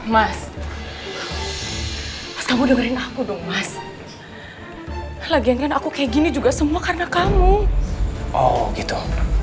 mas kamu dengerin aku dong mas lagian kan aku kayak gini juga semua karena kamu oh gitu